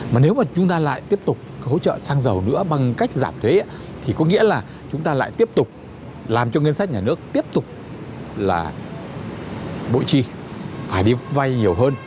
mà nếu mà chúng ta lại tiếp tục hỗ trợ xăng dầu nữa bằng cách giảm thế thì có nghĩa là chúng ta lại tiếp tục làm cho ngân sách nhà nước tiếp tục là bội chi phải đi vay nhiều hơn